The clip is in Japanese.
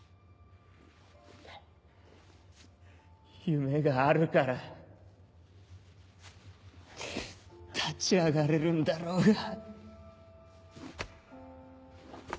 夢があるから立ち上がれるんだろうが！